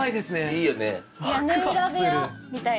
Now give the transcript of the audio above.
いいよね。